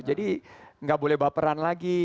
jadi gak boleh baperan lagi